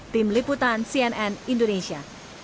tim liputan cnn indonesia